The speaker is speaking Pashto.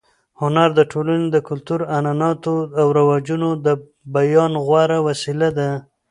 هنر د ټولنې د کلتور، عنعناتو او رواجونو د بیان غوره وسیله ده.